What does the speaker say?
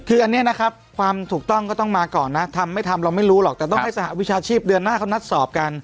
คืออันนี้นะครับความถูกต้องก็ต้องมาก่อนนะทำไม่ทำเราไม่รู้หรอกแต่ต้องให้สหวิชาชีพเดือนหน้าเขานัดสอบกัน